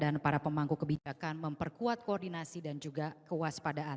dan para pemangku kebijakan memperkuat koordinasi dan juga kewaspadaan